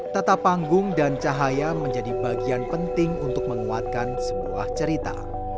tata panggung dan cahaya menjadi bagian penting untuk menguatkan sebuah cerita